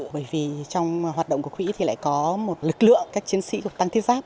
bởi vì trong hoạt động của quỹ thì lại có một lực lượng các chiến sĩ thuộc tăng thiết giáp